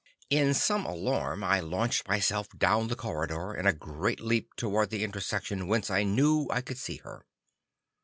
In some alarm, I launched myself down the corridor in a great leap toward the intersection whence I knew I could see her.